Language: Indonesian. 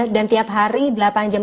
dan tiap hari delapan jam